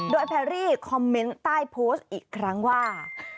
โดยแพรรี่คอมเมนต์ใต้โพสต์อีกครั้งว่า